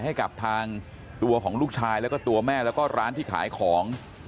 ให้กับทางตัวของลูกชายแล้วก็ตัวแม่แล้วก็ร้านที่ขายของ